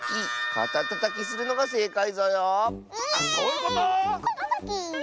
⁉かたたたき！